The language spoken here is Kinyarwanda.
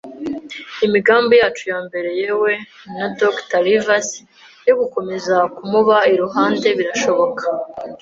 imigambi yacu ya mbere - yewe na Dr. Livesey, yo gukomeza kumuba iruhande - birashoboka